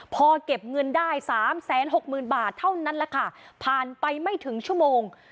พอเก็บเงินได้สามแสนหกหมื่นบาทเท่านั้นแหละค่ะผ่านไปไม่ถึงชั่วโมง